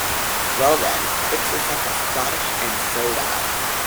Well then, fix yourself a scottish and soda!